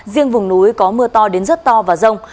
riêng vùng núi có mưa to đến rất to và rông